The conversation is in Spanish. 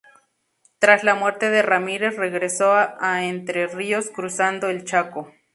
Tras la muerte de Ramírez regresó a Entre Ríos cruzando el Chaco.